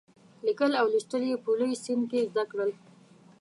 لیکل او لوستل یې په لوی سن کې زده کړل.